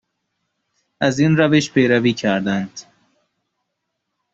از این روش پیروی کردند